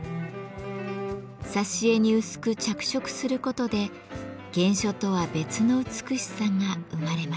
挿し絵に薄く着色することで原書とは別の美しさが生まれました。